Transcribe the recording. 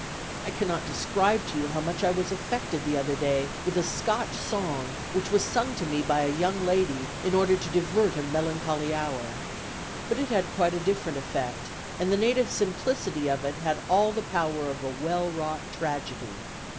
"I cannot describe to you how much I was affected the other day with a Scotch song, which was sung to me by a young lady in order to divert a melancholy hour; but it had quite a different effect, and the native simplicity of it had all the power of a well wrought tragedy.